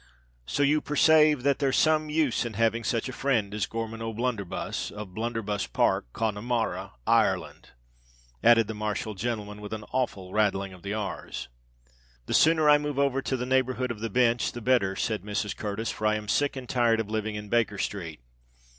So you persave that there's some use in having such a frind as Gorman O'Bluntherbuss, of Bluntherbuss Park, Connemar r ra, Ir r reland!" added the martial gentleman, with an awful rattling of the r's. "The sooner I move over to the neighbourhood of the Bench, the better," said Mrs. Curtis; "for I am sick and tired of living in Baker Street.